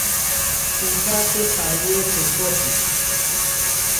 Pijate paye chekopi.